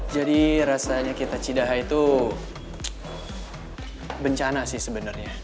jadi rasanya kita cidaha itu bencana sih sebenernya